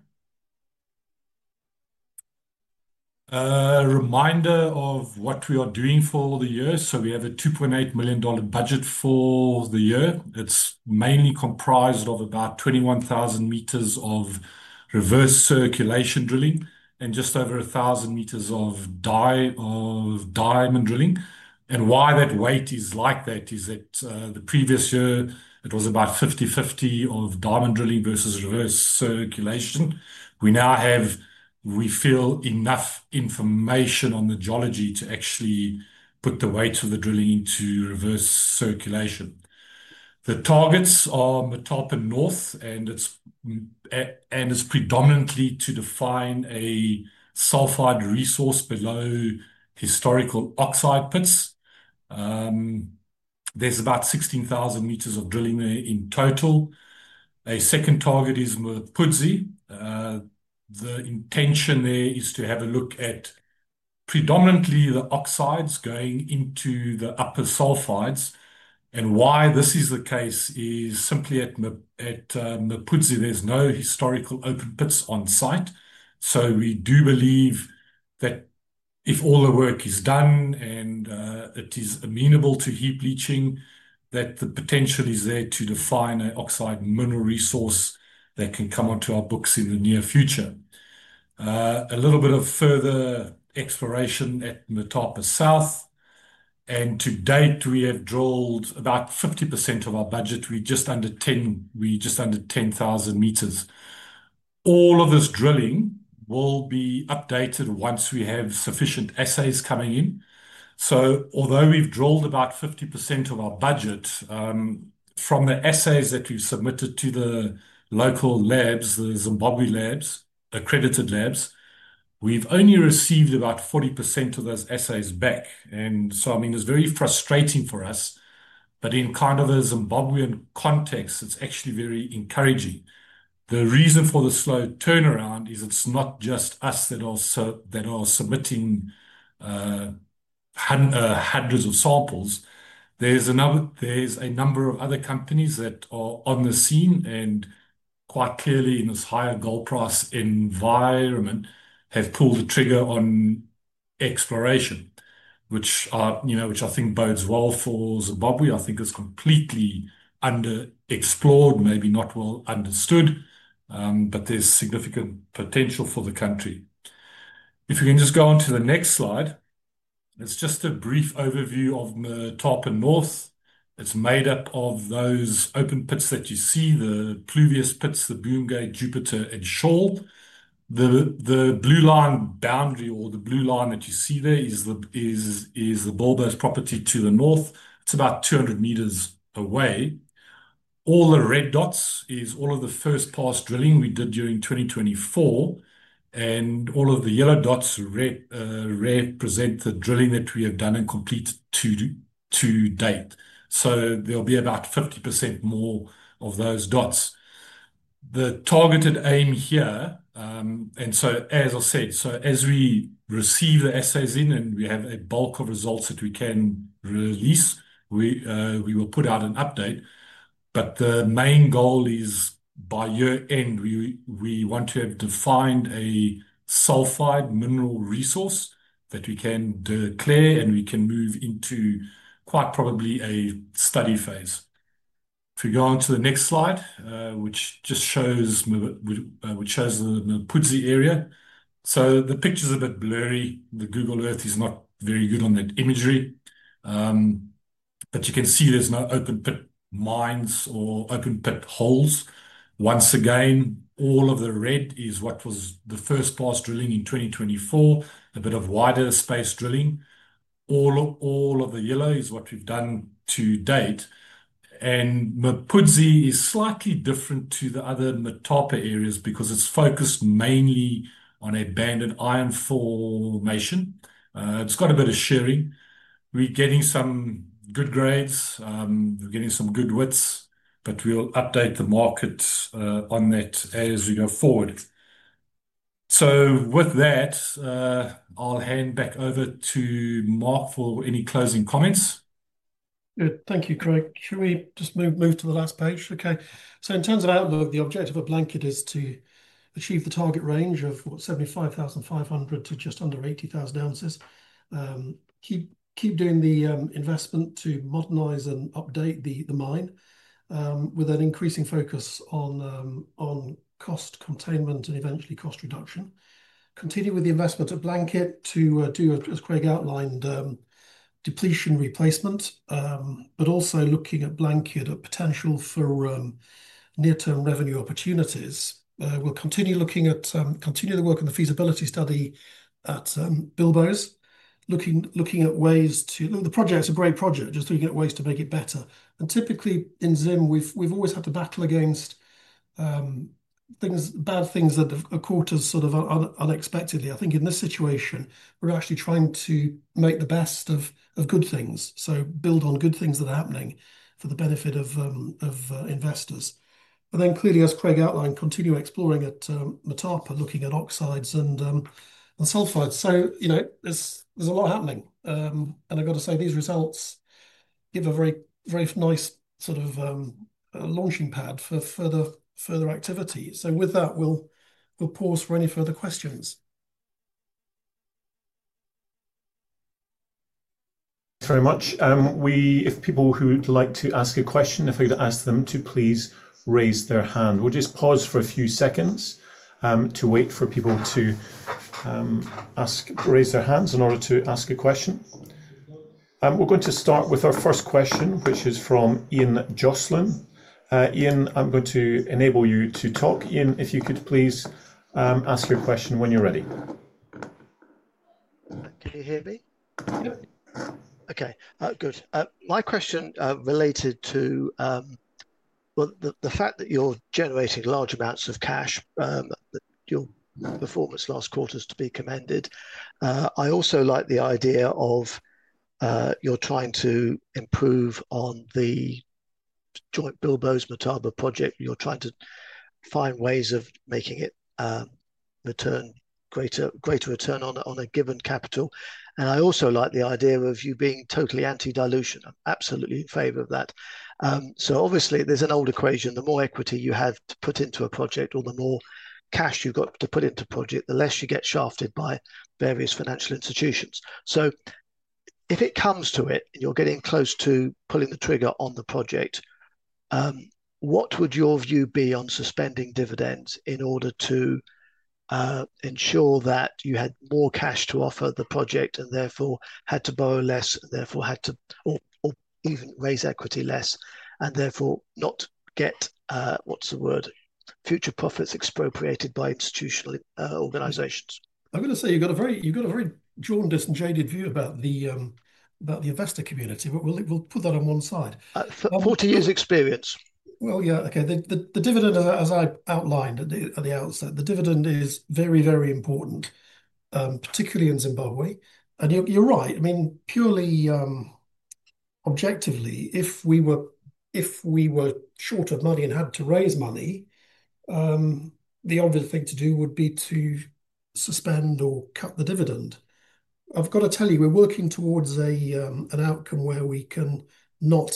A reminder of what we are doing for the year. We have a $2.8 million budget for the year. It's mainly comprised of about 21,000 m of reverse circulation drilling and just over 1,000 m of diamond drilling. Why that weight is like that is that the previous year, it was about 50/50 of diamond drilling versus reverse circulation. We now have, we feel, enough information on the geology to actually put the weight of the drilling into reverse circulation. The targets are Motapa North, and it's predominantly to define a sulfide resource below historical oxide pits. There's about 16,000 m of drilling there in total. A second target is Mpudzi. The intention there is to have a look at predominantly the oxides going into the upper sulfides. Why this is the case is simply at Mpudzi, there's no historical open pits on site. We do believe that if all the work is done and it is amenable to heap leaching, the potential is there to define an oxide monoresource that can come onto our books in the near future. A little bit of further exploration at Motapa South. To date, we have drilled about 50% of our budget. We're just under 10,000 m. All of this drilling will be updated once we have sufficient assays coming in. Although we've drilled about 50% of our budget, from the assays that we've submitted to the local labs, the Zimbabwe labs, accredited labs, we've only received about 40% of those assays back. It's very frustrating for us. In a Zimbabwean context, it's actually very encouraging. The reason for the slow turnaround is it's not just us that are submitting hundreds of samples. There are a number of other companies that are on the scene. Quite clearly, in this higher gold price environment, it has pulled the trigger on exploration, which I think bodes well for Zimbabwe. I think it's completely underexplored, maybe not well understood, but there's significant potential for the country. If we can just go on to the next slide, it's just a brief overview of Motapa North. It's made up of those open pits that you see, the Pluvius pits, the (Boongate), Jupiter, and (Shaw). The blue line boundary, or the blue line that you see there, is the Bilboes property to the north. It's about 200 m away. All the red dots are all of the first pass drilling we did during 2024. All of the yellow dots represent the drilling that we have done and completed to date. There will be about 50% more of those dots. The targeted aim here, as we receive the assays in and we have a bulk of results that we can release, we will put out an update. The main goal is by year end, we want to have defined a sulfide mineral resource that we can declare and we can move into quite probably a study phase. If we go on to the next slide, which just shows the Mpudzi area. The picture is a bit blurry. The Google Earth is not very good on that imagery. You can see there's no open pit mines or open pit holes. Once again, all of the red is what was the first pass drilling in 2024, a bit of wider space drilling. All of the yellow is what we've done to date. Mpudzi is slightly different to the other Motapa areas because it's focused mainly on banded iron formation. It's got a bit of shearing. We're getting some good grades. We're getting some good widths. We'll update the markets on that as we go forward. With that, I'll hand back over to Mark for any closing comments. Thank you, Craig. Can we just move to the last page? OK. In terms of the outlook, the objective of Blanket Mine is to achieve the target range of 75,500 oz to just under 80,000 oz. Keep doing the investment to modernize and update the mine with an increasing focus on cost containment and eventually cost reduction. Continue with the investment at Blanket Mine to do, as Craig outlined, depletion replacement, but also looking at Blanket Mine at potential for near-term revenue opportunities. We'll continue looking at continuing the work in the feasibility study at Bilboes, looking at ways to the project is a great project, just looking at ways to make it better. Typically, in Zimbabwe, we've always had to battle against bad things that occur to us sort of unexpectedly. I think in this situation, we're actually trying to make the best of good things. Build on good things that are happening for the benefit of investors. Clearly, as Craig outlined, continue exploring at Motapa, looking at oxides and sulfides. You know there's a lot happening. I've got to say, these results give a very nice sort of launching pad for further activity. With that, we'll pause for any further questions. Thank you very much. If people who'd like to ask a question, if I could ask them to please raise their hand. We'll just pause for a few seconds to wait for people to raise their hands in order to ask a question. We're going to start with our first question, which is from Ian Joslyn. Ian, I'm going to enable you to talk. Ian, if you could please ask your question when you're ready. Can you hear me? OK, good. My question related to the fact that you're generating large amounts of cash, your performance last quarter is to be commended. I also like the idea of you trying to improve on the joint Bilboes Motapa project. You're trying to find ways of making it a greater return on a given capital. I also like the idea of you being totally anti-dilution. I'm absolutely in favor of that. Obviously, there's an old equation. The more equity you have to put into a project, or the more cash you've got to put into a project, the less you get shafted by various financial institutions. If it comes to it, you're getting close to pulling the trigger on the project, what would your view be on suspending dividends in order to ensure that you had more cash to offer the project and therefore had to borrow less, therefore had to or even raise equity less, and therefore not get, what's the word, future profits expropriated by institutional organizations? I've got to say, you've got a very jaundiced and jaded view about the investor community. We'll put that on one side. I've got 40 years experience. OK. The dividend, as I outlined at the outset, is very, very important, particularly in Zimbabwe. You're right. I mean, purely objectively, if we were short of money and had to raise money, the obvious thing to do would be to suspend or cut the dividend. I've got to tell you, we're working towards an outcome where we cannot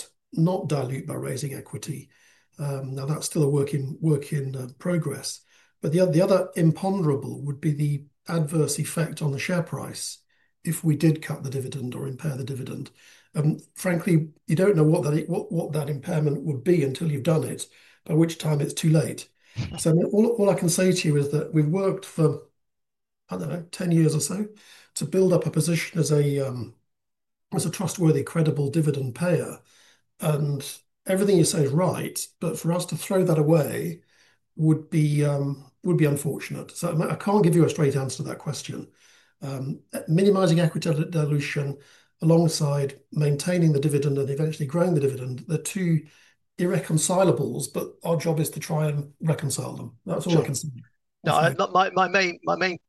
dilute by raising equity. That's still a work in progress. The other imponderable would be the adverse effect on the share price if we did cut the dividend or impair the dividend. Frankly, you don't know what that impairment would be until you've done it, by which time it's too late. All I can say to you is that we've worked for, I don't know, 10 years or so to build up a position as a trustworthy, credible dividend payer. Everything you say is right. For us to throw that away would be unfortunate. I can't give you a straight answer to that question. Minimizing equity dilution alongside maintaining the dividend and eventually growing the dividend, they're two irreconcilables. Our job is to try and reconcile them. That's all I can say. My main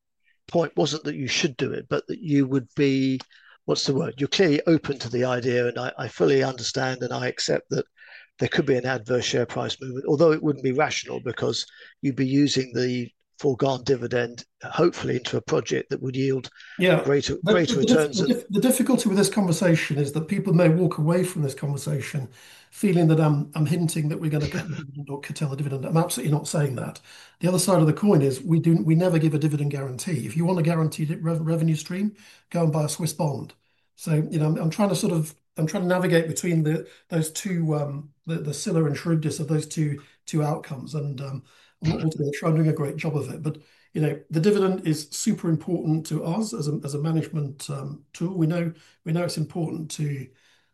point wasn't that you should do it, but that you would be, what's the word, you're clearly open to the idea. I fully understand and I accept that there could be an adverse share price movement, although it wouldn't be rational because you'd be using the foregone dividend hopefully into a project that would yield greater returns. The difficulty with this conversation is that people may walk away from this conversation feeling that I'm hinting that we're going to cut down the dividend. I'm absolutely not saying that. The other side of the coin is we never give a dividend guarantee. If you want a guaranteed revenue stream, go and buy a Swiss bond. I'm trying to navigate between the those two outcomes. We're trying to do a great job of it. The dividend is super important to us as a management tool. We know it's important to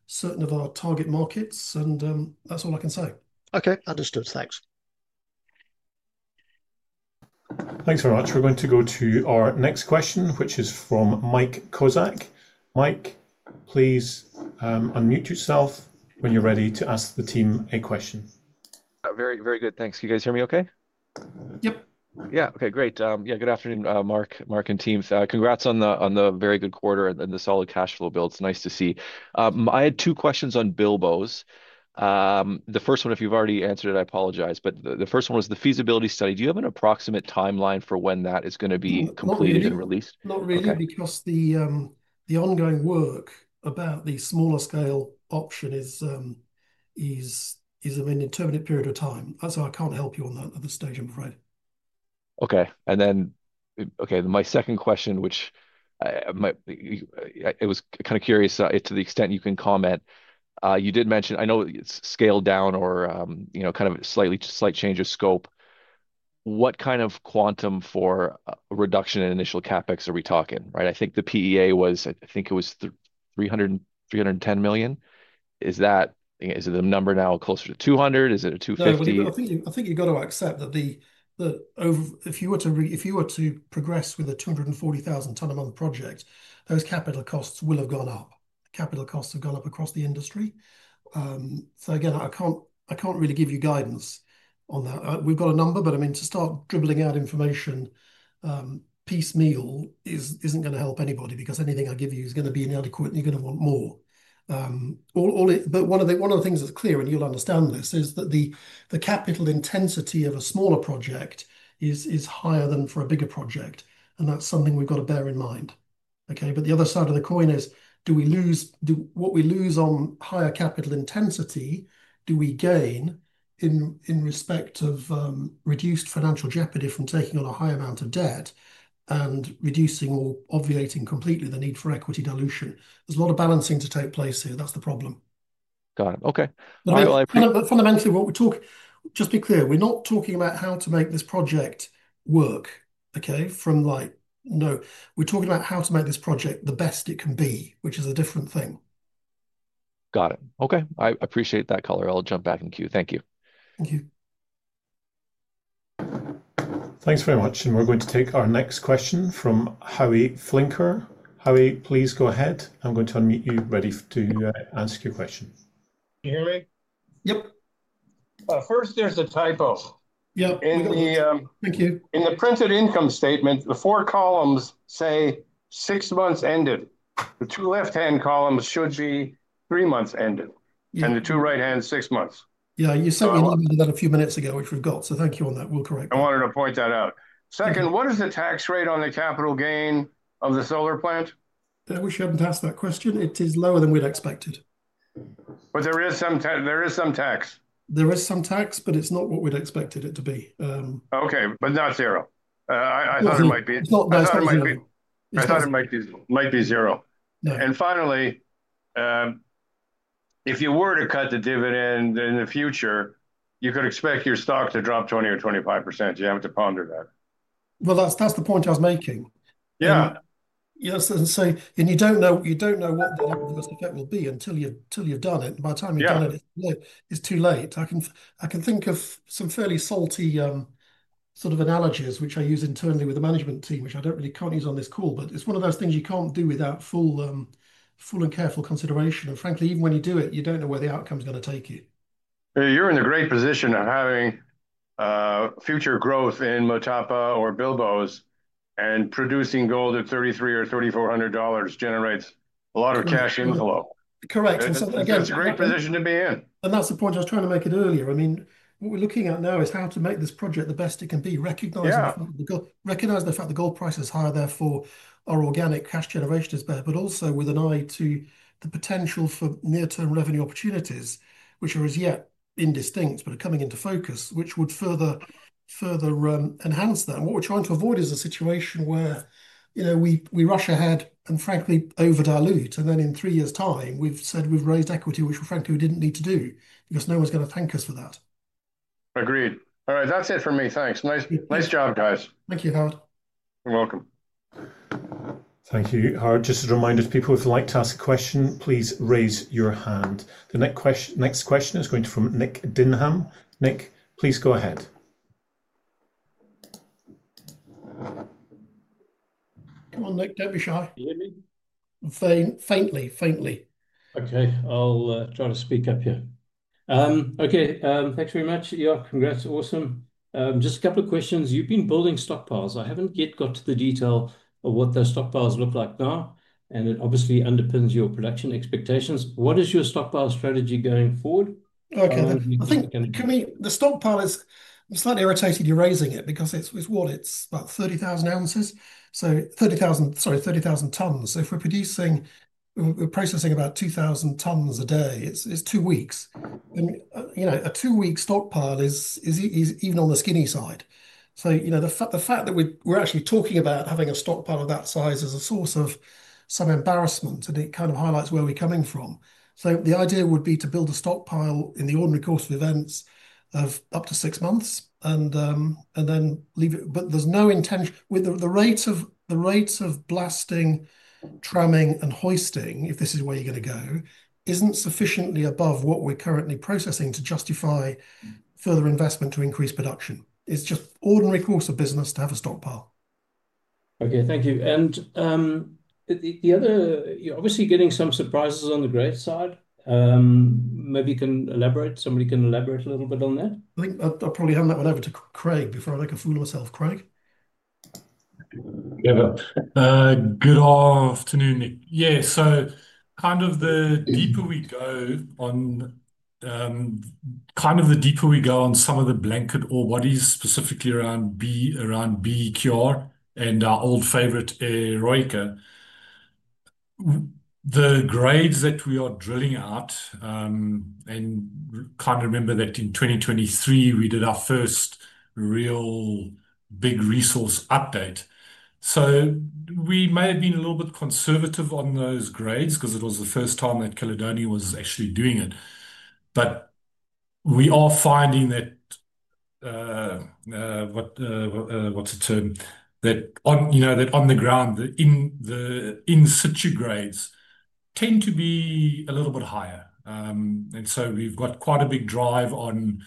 certain of our target markets, and that's all I can say. OK, understood. Thanks. Thanks very much. We're going to go to our next question, which is from Mike Kozak. Mike, please unmute yourself when you're ready to ask the team a question. Very, very good. Thanks. Can you guys hear me OK? Yeah, OK, great. Good afternoon, Mark and team. Congrats on the very good quarter and the solid cash flow build. It's nice to see. I had two questions on Bilboes. The first one, if you've already answered it, I apologize. The first one was the feasibility study. Do you have an approximate timeline for when that is going to be completed and released? Not really, because the ongoing work about the smaller scale option is of an indefinite period of time. I can't help you on that at this stage, I'm afraid. OK. My second question, which I was kind of curious to the extent you can comment, you did mention, I know it's scaled down or kind of a slight change of scope. What kind of quantum for reduction in initial CapEx are we talking? Right? I think the PEA was, I think it was $310 million. Is that, is it a number now closer to $200 million? Is it a $250 million? I think you've got to accept that if you were to progress with a 240,000-ton a month project, those capital costs will have gone up. Capital costs have gone up across the industry. I can't really give you guidance on that. We've got a number. To start dribbling out information piecemeal isn't going to help anybody, because anything I give you is going to be inadequate, and you're going to want more. One of the things that's clear, and you'll understand this, is that the capital intensity of a smaller project is higher than for a bigger project. That's something we've got to bear in mind. The other side of the coin is, do we lose what we lose on higher capital intensity? Do we gain in respect of reduced financial jeopardy from taking on a higher amount of debt and reducing or obviating completely the need for equity dilution? There's a lot of balancing to take place here. That's the problem. Got it. OK. Fundamentally, what we talk, just to be clear, we're not talking about how to make this project work, OK, from like, no. We're talking about how to make this project the best it can be, which is a different thing. Got it. OK, I appreciate that, color. I'll jump back in queue. Thank you. Thank you. Thanks very much. We're going to take our next question from Howie Flinker. Howard, please go ahead. I'm going to unmute you ready to ask your question. Can you hear me? Yep. First, there's a typo in the printed income statement. The four columns say six months ended. The two left-hand columns should be three months ended, and the two right-hand columns, six months. Yeah, you sent me a little bit of that a few minutes ago, which we've got. Thank you on that. We'll correct it. I wanted to point that out. Second, what is the tax rate on the capital gain of the solar plant? I wish you hadn't asked that question. It is lower than we'd expected. There is some tax. There is some tax, but it's not what we'd expected it to be. OK, but not zero. I thought it might be. Not zero. I thought it might be zero. Finally, if you were to cut the dividend in the future, you could expect your stock to drop 20% or 25%. You have to ponder that. That's the point I was making. Yeah. You don't know what the level of the debt will be until you've done it. By the time you've done it, it's too late. I can think of some fairly salty sort of analogies, which I use internally with the management team, which I really can't use on this call. It's one of those things you can't do without full and careful consideration. Frankly, even when you do it, you don't know where the outcome is going to take you. You're in a great position of having future growth in Motapa or Bilboes and producing gold at $3,300 or $3,400 generates a lot of cash inflow. Correct. That's a great position to be in. That's the point I was trying to make earlier. I mean, what we're looking at now is how to make this project the best it can be, recognize the fact that the gold price is higher, therefore our organic cash generation is better, but also with an eye to the potential for near-term revenue opportunities, which are as yet indistinct, but are coming into focus, which would further enhance that. What we're trying to avoid is a situation where we rush ahead and frankly over-dilute. In three years' time, we've said we've raised equity, which frankly we didn't need to do, because no one's going to thank us for that. Agreed. All right, that's it for me. Thanks. Nice job, guys. Thank you, Howard. You're welcome. Thank you. Just as a reminder, people, if you'd like to ask a question, please raise your hand. The next question is going to be from Nic Dinham. Nic, please go ahead. Come on, Nic. Don't be shy. Can you hear me? Faintly, faintly. OK, I'll try to speak up here. OK, thanks very much, York. Congrats. Awesome. Just a couple of questions. You've been building stockpiles. I haven't yet got to the detail of what those stockpiles look like now. It obviously underpins your production expectations. What is your stockpile strategy going forward? OK, the stockpile is slightly irritated you're raising it, because it's what? It's about 30,000 oz. 30,000, sorry, 30,000 tons. If we're producing, we're processing about 2,000 tons a day. It's two weeks. A two-week stockpile is even on the skinny side. The fact that we're actually talking about having a stockpile of that size is a source of some embarrassment. It kind of highlights where we're coming from. The idea would be to build a stockpile in the ordinary course of events of up to six months and then leave it. There is no intention. The rates of blasting, tramming, and hoisting, if this is where you're going to go, isn't sufficiently above what we're currently processing to justify further investment to increase production. It's just an ordinary course of business to have a stockpile. OK, thank you. You're obviously getting some surprises on the grade side. Maybe you can elaborate. Somebody can elaborate a little bit on that. I think I'll probably hand that one over to Craig before I make a fool of myself. Craig. Good afternoon, Nic. Yeah, kind of the deeper we go on some of the Blanket Mine, or what is specifically around BQR and our old favorite, Eroica. The grades that we are drilling out, and I kind of remember that in 2023, we did our first real big resource update. We may have been a little bit conservative on those grades because it was the first time that Caledonia was actually doing it. We are finding that, what's the term, that on the ground, the in-situ grades tend to be a little bit higher. We've got quite a big drive on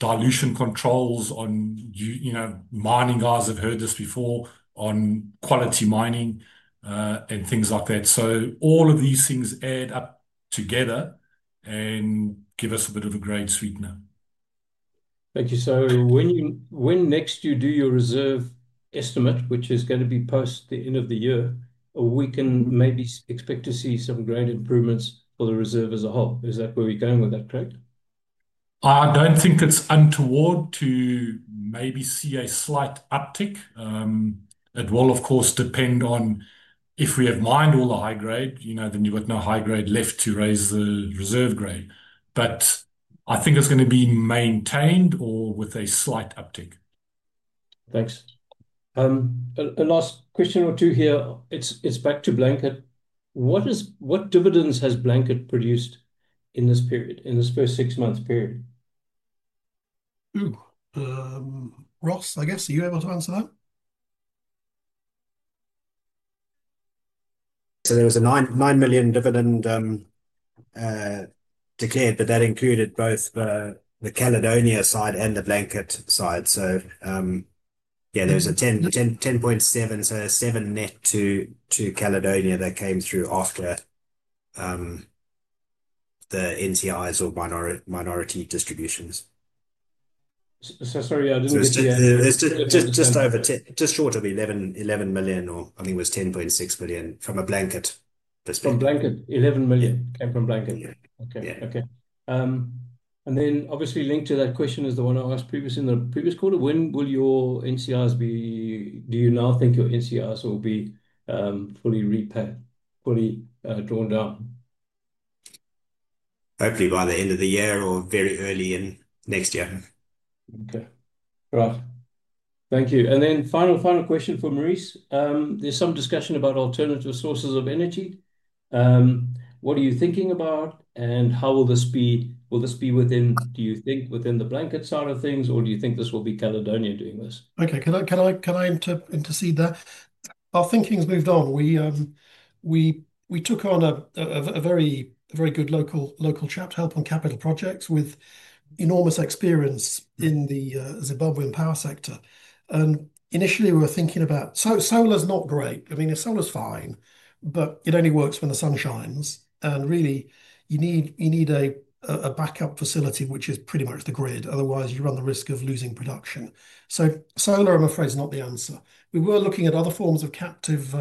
dilution controls, mining guys have heard this before, on quality mining, and things like that. All of these things add up together and give us a bit of a grade sweetener. Thank you. When next do you do your reserve estimate, which is going to be post the end of the year, we can maybe expect to see some grade improvements for the reserve as a whole. Is that where we're going with that, Craig? I don't think it's untoward to maybe see a slight uptick. It will, of course, depend on if we have mined all the high grade, then you've got no high grade left to raise the reserve grade. I think it's going to be maintained or with a slight uptick. Thanks. A last question or two here. It's back to Blanket Mine. What dividends has Blanket Mine produced in this period, in this first six months period? Ross, I guess, are you able to answer that? There was a $9 million dividend declared, but that included both the Caledonia side and the Blanket Mine side. There was a $10.7 million, so a $7 million net to Caledonia that came through after the NTIs or minority distributions. Sorry, yeah, I didn't get to hear that. Just short of $11 million, or I think it was $10.6 million from a Blanket Mine perspective. From Blanket Mine, $11 million came from Blanket Mine. Yeah. OK. Obviously, linked to that question is the one I asked previously in the previous call. When will your NCIs be, do you now think your NCIs will be fully drawn down? Hopefully by the end of the year or very early in next year. Right. Thank you. Final question for Maurice. There's some discussion about alternative sources of energy. What are you thinking about? How will this be, will this be within, do you think, within the Blanket side of things? Do you think this will be Caledonia doing this? OK, can I intercede there? Our thinking has moved on. We took on a very good local chap to help on capital projects with enormous experience in the Zimbabwean power sector. Initially, we were thinking about, so solar is not great. I mean, solar is fine, but it only works when the sun shines. Really, you need a backup facility, which is pretty much the grid. Otherwise, you run the risk of losing production. Solar, I'm afraid, is not the answer. We were looking at other forms of captive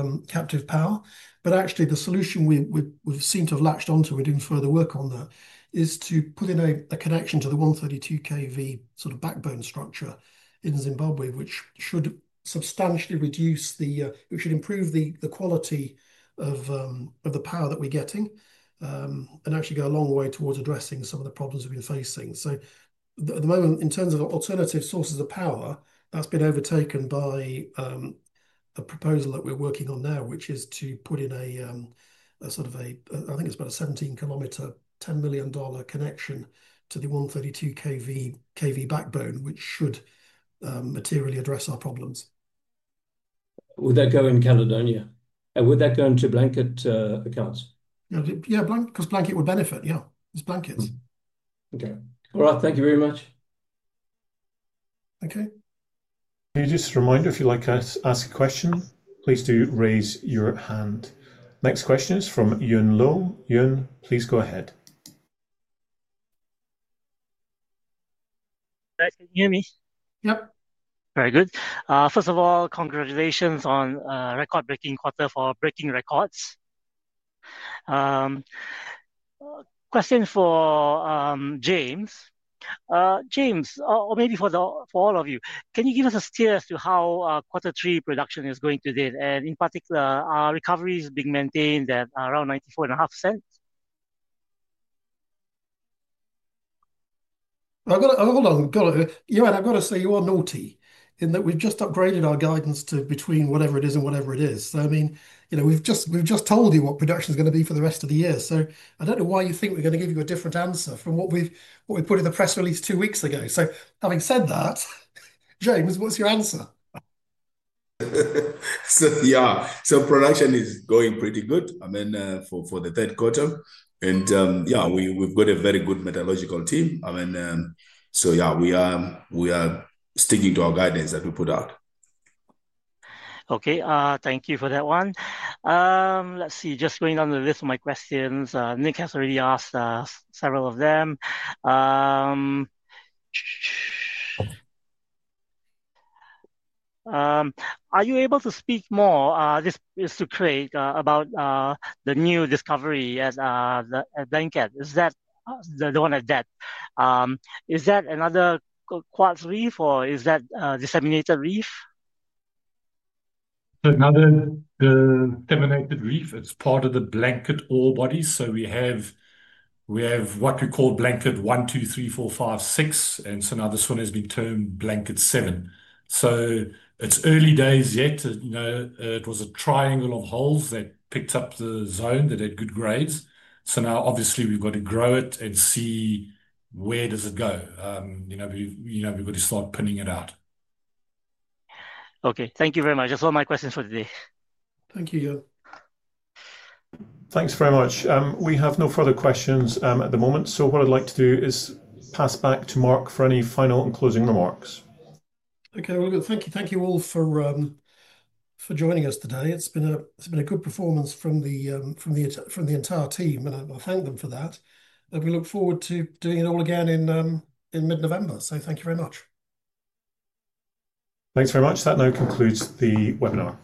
power. Actually, the solution we've seemed to have latched on to, we're doing further work on that, is to put in a connection to the 132 kV sort of backbone structure in Zimbabwe, which should substantially reduce the, which should improve the quality of the power that we're getting and actually go a long way towards addressing some of the problems we've been facing. At the moment, in terms of alternative sources of power, that's been overtaken by a proposal that we're working on now, which is to put in a sort of a, I think it's about a 17-km, $10 million connection to the 132 kV backbone, which should materially address our problems. Would that go in Caledonia? Would that go into Blanket Mine accounts? Yeah, because Blanket Mine would benefit. Yeah, it's Blanket's. OK. All right. Thank you very much. OK. Can you just remind us, if you'd like to ask a question, please do raise your hand. Next question is from (Yun Lou). Yun, please go ahead. Can you hear me? Yep. Very good. First of all, congratulations on a record-breaking quarter for breaking records. Question for James. James, or maybe for all of you, can you give us a stare as to how quarter three production is going to date? In particular, are recoveries being maintained at around 94.5%? Yeah, I've got to say you are naughty in that we've just upgraded our guidance to between whatever it is and whatever it is. I mean, you know we've just told you what production is going to be for the rest of the year. I don't know why you think we're going to give you a different answer from what we've put in the press release two weeks ago. Having said that, James, what's your answer? Yeah, production is going pretty good, I mean, for the third quarter. Yeah, we've got a very good metallurgical team, so we are sticking to our guidance that we put out. OK, thank you for that one. Let's see, just going down the list of my questions. Nic has already asked several of them. Are you able to speak more? This is to Craig about the new discovery at Blanket Mine. Is that the one at depth? Is that another quartz reef or is that a disseminated reef? Another disseminated reef. It's part of the Blanket orebodies. We have what we call Blanket 1, Blanket 2, Blanket 3, Blanket 4, Blanket 5, Blanket 6. This one has been termed Blanket 7. It's early days yet. It was a triangle of holes that picked up the zone that had good grades. Obviously we've got to grow it and see where does it go. We've got to start pinning it out. OK, thank you very much. That's all my questions for today. Thank you, York. Thanks very much. We have no further questions at the moment. What I'd like to do is pass back to Mark for any final and closing remarks. Thank you all for joining us today. It's been a good performance from the entire team. I thank them for that, and we look forward to doing it all again in mid-November. Thank you very much. Thanks very much. That now concludes the webinar.